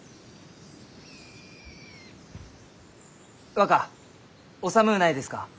若お寒うないですか？